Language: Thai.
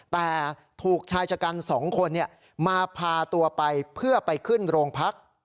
แต่ถูกชายชะกัน๒คนมาพาตัวไปเพื่อไปขึ้นโรงพัก